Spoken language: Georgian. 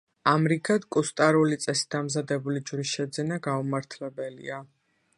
ამრიგად, კუსტარული წესით დამზადებული ჯვრის შეძენა გაუმართლებელია.